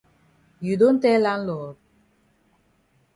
You don tell landlord?